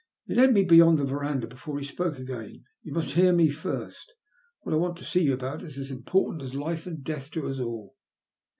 He led me beyond the verandah before lie spoke again. *' You must hear me first. What I want to see you about is as important as life and death to us all.